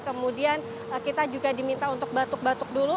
kemudian kita juga diminta untuk batuk batuk dulu